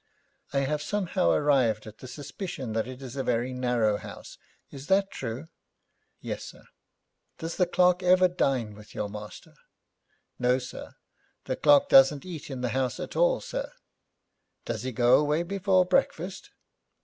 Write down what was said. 'I have somehow arrived at the suspicion that it is a very narrow house. Is that true?' 'Yes, sir.' 'Does the clerk ever dine with your master?' 'No, sir. The clerk don't eat in the house at all, sir.' 'Does he go away before breakfast?'